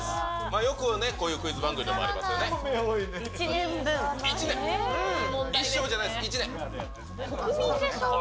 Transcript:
よくね、こういうクイズ番組でもありますよね。１年分。